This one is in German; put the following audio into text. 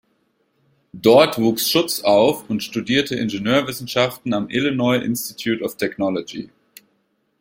Dort wuchs Schutz auf und studierte Ingenieurwissenschaften am Illinois Institute of Technology.